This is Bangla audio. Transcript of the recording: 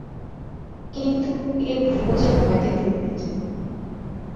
কিন্তু, এই ভুল-বোঝার ভয় থেকে মুক্তি চাই।